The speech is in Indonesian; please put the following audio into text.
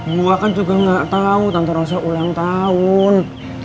gua kan juga nggak tau tante rosa ulang tahun